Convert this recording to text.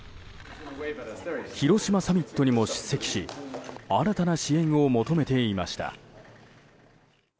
広島サミットにも出席し新たな支援を求めていました。